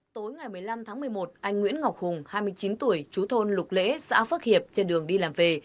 tối ngày một mươi năm tháng một mươi một anh nguyễn ngọc hùng hai mươi chín tuổi chú thôn lục lễ xã phước hiệp trên đường đi làm về